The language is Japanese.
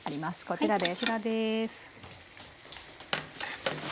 こちらです。